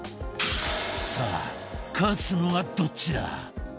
さあ勝つのはどっちだ？